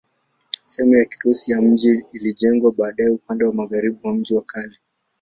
Sehemu ya Kirusi ya mji ilijengwa baadaye upande wa magharibi wa mji wa kale.